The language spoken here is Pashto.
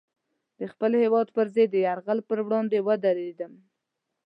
د خپل هېواد پر ضد د یرغل پر وړاندې ودرېدم.